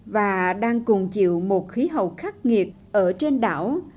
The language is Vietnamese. và đang cùng chịu một khí hậu khắc nghiệt ở trên đảo